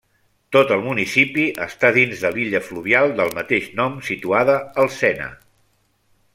Tot el municipi està dins de l'illa fluvial del mateix nom situada al Sena.